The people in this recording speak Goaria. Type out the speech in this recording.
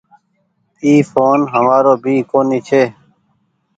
اي ڦون همآرو ڀي ڪونيٚ ڇي ۔